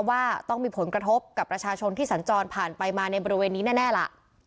ว่าต้องมีผลกระทบกับประชาชนที่สัญจรผ่านไปมาในบริเวณนี้แน่ล่ะ